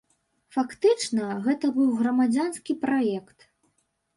Фактычна, гэта быў грамадзянскі праект.